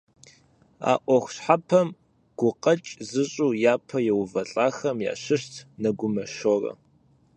А ӏуэху щхьэпэм гукъэкӏ зыщӏу япэ еувэлӏахэм ящыщт Нэгумэ Шорэ.